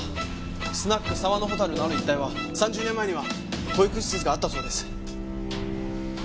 スナック「沢の蛍」のある一帯は３０年前には保育施設があったそうです。